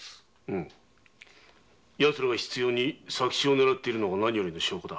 奴らが執拗に佐吉をねらっているのが何よりの証拠だ。